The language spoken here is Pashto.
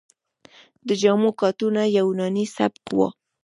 د جامو کاتونه یوناني سبک و